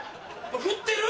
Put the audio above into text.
振ってる？